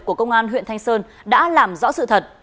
của công an huyện thanh sơn đã làm rõ sự thật